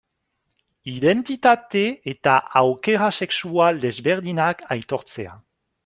Identitate eta aukera sexual desberdinak aitortzea.